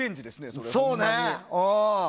それは。